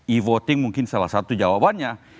e voting mungkin salah satu jawabannya